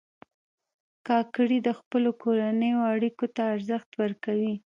کاکړي د خپلو کورنیو اړیکو ته ارزښت ورکوي.